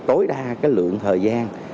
tối đa cái lượng thời gian